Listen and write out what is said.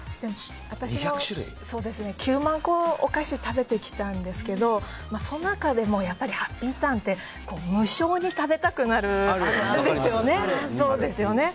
９万個のお菓子を食べてきたんですけどその中でもハッピーターンって無性に食べたくなるんですよね。